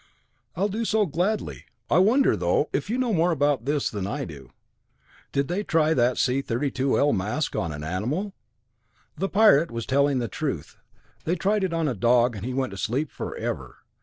"I'll do so gladly. I wonder, though, if you know more about this than I do. Did they try that C 32L mask on an animal?" "The Pirate was telling the truth. They tried it on a dog and he went to sleep forever.